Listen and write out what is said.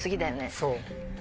そう。